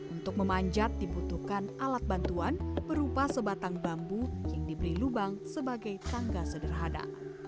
untuk memanjat dibutuhkan alat bantuan berupa sebatang bambu yang diberi lubang sebagai tangga sederhana